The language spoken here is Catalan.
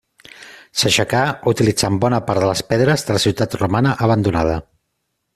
S'aixecà utilitzant bona part de les pedres de la ciutat romana abandonada.